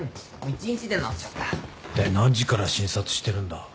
一体何時から診察してるんだ？